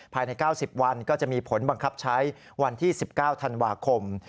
ภายใน๙๐วันก็จะมีผลบังคับใช้วันที่๑๙ธันวาคม